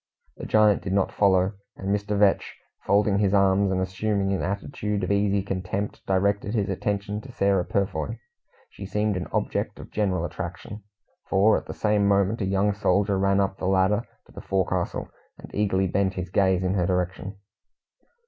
The giant did not follow; and Mr. Vetch, folding his arms, and assuming an attitude of easy contempt, directed his attention to Sarah Purfoy. She seemed an object of general attraction, for at the same moment a young soldier ran up the ladder to the forecastle, and eagerly bent his gaze in her direction.